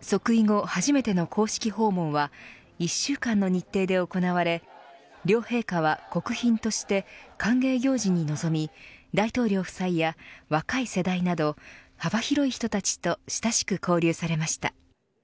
即位後、初めての公式訪問は１週間の日程で行われ両陛下は国賓として歓迎行事に臨み大統領夫妻や若い世代など幅広い人たちと親しく交流されました。